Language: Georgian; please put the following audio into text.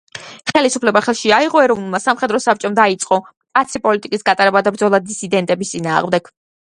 ხელისუფლება ხელში აიღო „ეროვნულმა სამხედრო საბჭომ“ დაიწყო მკაცრი პოლიტიკის გატარება და ბრძოლა დისიდენტების წინააღმდეგ.